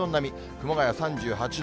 熊谷３８度。